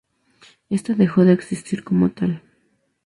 Esta dejó de existir como tal.